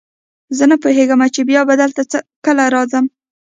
زه نه پوهېږم چې بیا به دلته کله راځم.